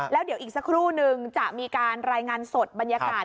แล้วเดี๋ยวอีกสักครู่นึงจะมีการรายงานสดบรรยากาศ